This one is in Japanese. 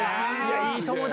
いい友達。